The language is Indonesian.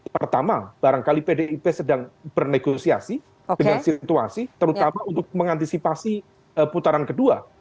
pertama barangkali pdip sedang bernegosiasi dengan situasi terutama untuk mengantisipasi putaran kedua